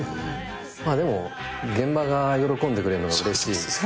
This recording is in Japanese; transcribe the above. でも現場が喜んでくれるのがうれしい。